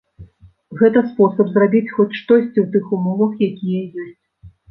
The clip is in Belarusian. Гэта спосаб зрабіць хоць штосьці ў тых умовах, якія ёсць.